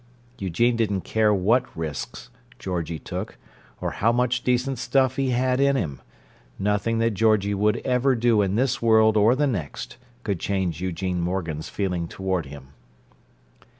Eugene didn't care what risks Georgie took, or how much decent stuff he had in him: nothing that Georgie would ever do in this world or the next could change Eugene Morgan's feeling toward him.